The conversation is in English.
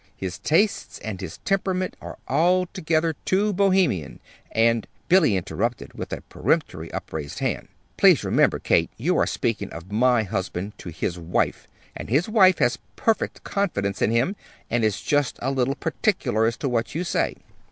His tastes and his temperament are altogether too Bohemian, and " Billy interrupted with a peremptorily upraised hand. "Please remember, Kate, you are speaking of my husband to his wife; and his wife has perfect confidence in him, and is just a little particular as to what you say."